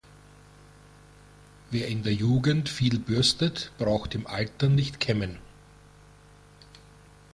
Wer in der Jugend viel bürstet, braucht im Alter nicht kämmen.